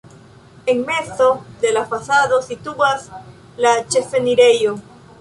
En mezo de la fasado situas la ĉefenirejo.